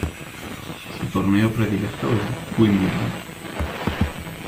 Su torneo predilecto es Wimbledon.